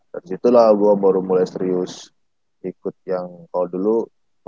dari itulah gua baru mulai serius ikut yang kalo dulu